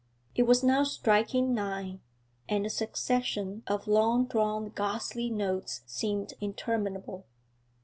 It was now striking nine, and the succession of long drawn ghostly notes seemed interminable.